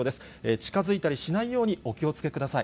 近づいたりしないようにお気をつけください。